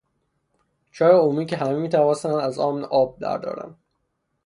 چاه عمومی که همه میتوانستند از آن آب بردارند